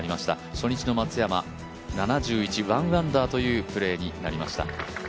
初日の松山、７１、１アンダーというプレーになりました。